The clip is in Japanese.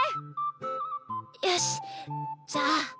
よしじゃあ。